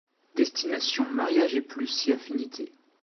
Destination mariage et plus si affinités...